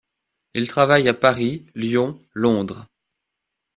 Il travaille à Paris, Lyon, Londres.